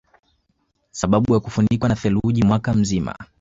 Sababu ya kufunikwa na theluji mwaka mzima